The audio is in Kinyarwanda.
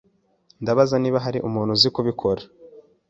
Ndabaza niba hari umuntu uzi kubikora.